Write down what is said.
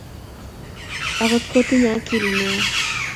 Ak kotinye akili neo